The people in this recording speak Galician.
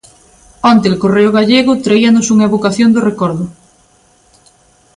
Onte El Correo Gallego traíanos unha evocación do recordo.